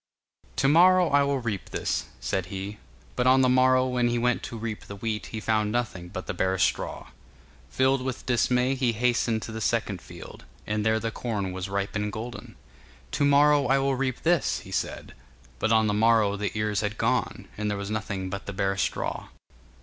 'To morrow I will reap this,' said he; but on the morrow when he went to reap the wheat he found nothing but the bare straw. Filled with dismay he hastened to the second field, and there the corn was ripe and golden. 'To morrow I will reap this,' he said, but on the morrow the ears had gone, and there was nothing but the bare straw.